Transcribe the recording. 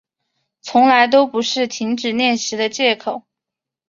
从来都不是停止练习的借口